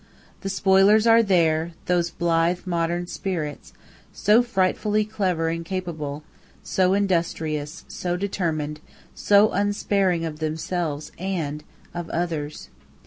The spoilers are there, those blithe modern spirits, so frightfully clever and capable, so industrious, so determined, so unsparing of themselves and of others!